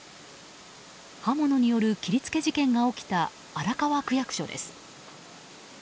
刃物による切り付け事件が起きた荒川区役所です。